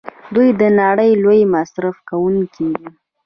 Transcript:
دوی د نړۍ لوی مصرف کوونکي دي.